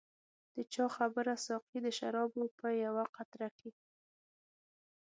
د چا خبره ساقي د شرابو په یوه قطره کې.